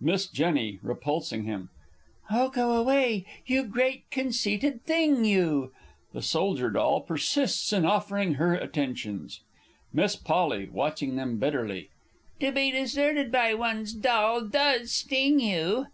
Miss J. (repulsing him). Oh, go away, you great conceited thing, you! [The Sold. D. persists in offering her attentions. Miss P. (watching them bitterly). To be deserted by one's doll does sting you!